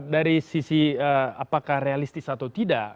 dari sisi apakah realistis atau tidak